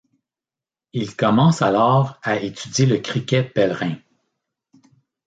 Il commence alors à étudier le criquet pèlerin.